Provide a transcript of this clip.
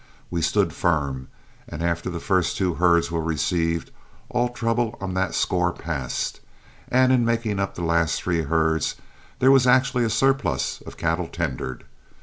We stood firm, and after the first two herds were received, all trouble on that score passed, and in making up the last three herds there was actually a surplus of cattle tendered.